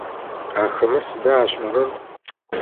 Ахэмэ сыда ашӏэрэр?